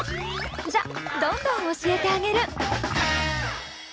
じゃどんどん教えてあげる！